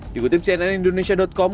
dikutip cnn indonesia com